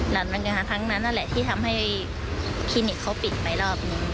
แล้วทั้งนั้นนั่นแหละที่ทำให้คลินิกเขาปิดไปรอบนี้